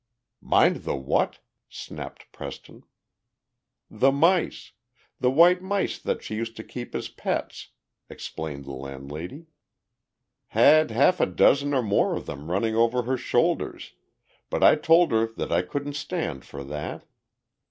"Mind the what?" snapped Preston. "The mice the white mice that she used to keep as pets," explained the landlady. "Had half a dozen or more of them running over her shoulders, but I told her that I couldn't stand for that.